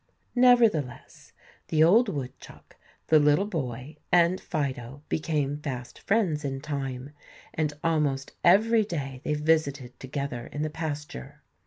Nevertheless, the old woodchuck, the little boy, and Fido became fast friends in time, and almost every day they visited together in the pasture.